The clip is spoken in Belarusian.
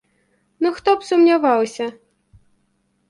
Ну, хто б сумняваўся.